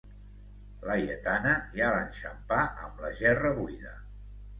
Laietana ja l'enxampà amb la gerra buida.